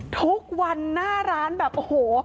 ทุกวันหน้าร้านแบบโอ้โห